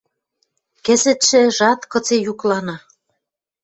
Кӹзӹтшӹ, жат, кыце юклана».